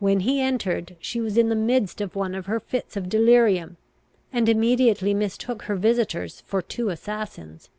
When he entered, she was in the midst of one of her fits of delirium, and immediately mistook her visitors for two assassins.